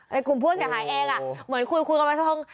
ในกลุ่มผู้เสียหายเองอ่ะเหมือนคุยกันมาสักครั้ง